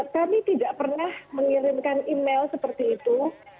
kami tidak pernah mengirimkan email seperti itu